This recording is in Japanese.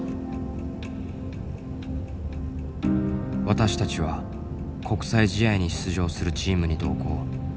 私たちは国際試合に出場するチームに同行。